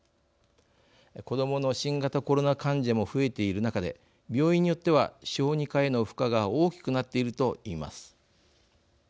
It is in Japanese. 子どもの新型コロナ患者も増えている中で病院によっては小児科への負荷が大きくなっていると言います。